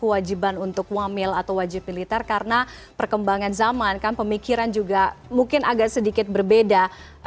kewajiban untuk wamel atau wajib militer karena perkembangan zaman kan pemikiran juga mungkin agak sedikit berbeda